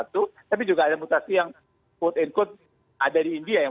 tapi juga ada mutasi yang quote unquote ada di india